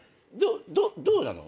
どうなの？